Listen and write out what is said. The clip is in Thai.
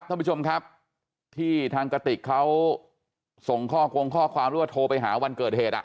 ท่านผู้ชมครับที่ทางกติกเขาส่งข้อกงข้อความหรือว่าโทรไปหาวันเกิดเหตุอ่ะ